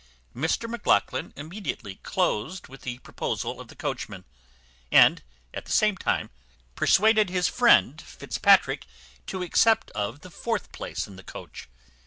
Mr Maclachlan immediately closed with the proposal of the coachman, and, at the same time, persuaded his friend Fitzpatrick to accept of the fourth place in the coach.